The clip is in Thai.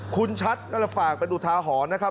คุณชัดก็ฝากเป็นอุทาหรณ์นะครับ